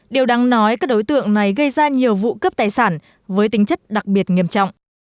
điều đáng nói các đối tượng này gây ra nhiều vụ cướp tài sản với tính chất đặc biệt nghiêm trọng